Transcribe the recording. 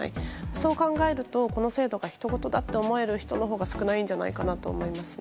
そう考えるとこの制度がひとごとだと思える人のほうが少ないんじゃないかなと思います。